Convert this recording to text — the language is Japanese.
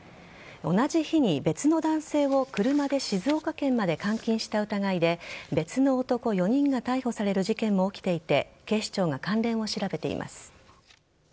同じ日に別の男性を車で静岡県まで監禁した疑いで別の男４人が逮捕される事件も起きていて警視庁が関連を調べています。